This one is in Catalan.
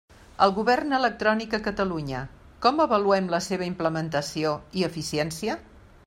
El govern electrònic a Catalunya: com avaluem la seva implementació i eficiència?